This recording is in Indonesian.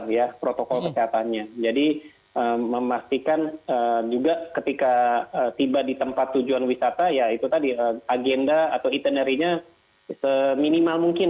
jadi kita harus memastikan juga ketika tiba di tempat tujuan wisata ya itu tadi agenda atau itinerinya se minimal mungkin